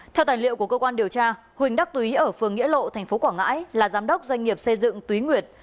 theo tài liệu của cơ quan điều tra huỳnh đắc túy ở phường nghĩa lộ tp quảng ngãi là giám đốc doanh nghiệp xây dựng túy nguyệt